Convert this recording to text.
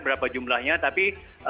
berapa jumlahnya tapi